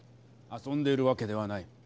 遊んでるわけではない。